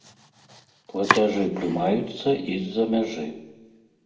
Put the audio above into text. Плацяжы прымаюцца і з-за мяжы.